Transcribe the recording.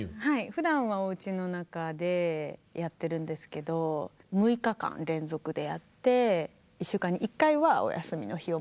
ふだんはおうちの中でやってるんですけど６日間連続でやって１週間に１回はお休みの日を設けるっていうはい。